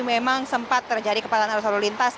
memang sempat terjadi kepadatan arus lalu lintas